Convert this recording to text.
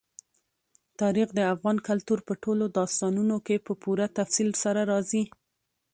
تاریخ د افغان کلتور په ټولو داستانونو کې په پوره تفصیل سره راځي.